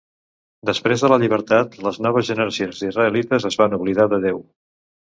Després de la llibertat, les noves generacions d'israelites es van oblidar de Déu.